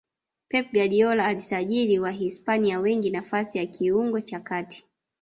pep guardiola alisajili wahispania wengi nafasi ya kiungo cha kati